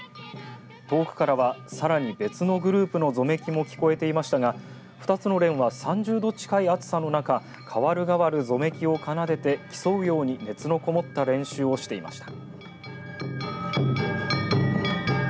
遠くからはさらに別のグループのぞめきも聞こえていましたが２つの連は３０度近い暑さの中かわるがわるぞめきを奏でて競うように熱のこもった練習をしていました。